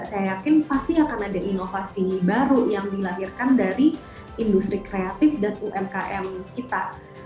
saya yakin pasti akan ada inovasi baru yang dilahirkan dari industri kreatif dan umkm kita